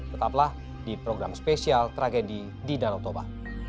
tetaplah di program spesial tragedi di danau toba